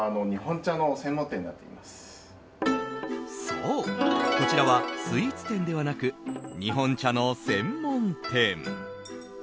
そう、こちらはスイーツ店ではなく日本茶の専門店。